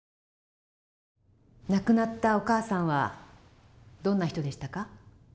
亡くなったお母さんはどんな人でしたか？